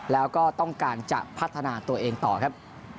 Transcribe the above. แล้วก็ต้องการจะพัฒนาตัวเองต่อครับ